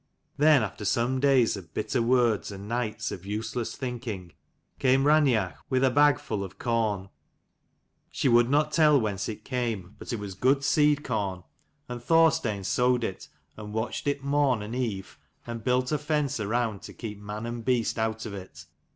Then after some days of bitter words and nights of useless thinking, came Raineach with a bag full of corn. She would not tell whence it came, but it was good seed corn : and Thorstein sowed it, and watched it morn and eve, and built a fence around to keep man and beast out of it.